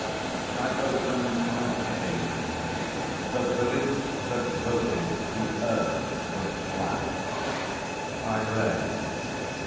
I opened on a heading: 'The Village that Voted the Earth was Flat.' I read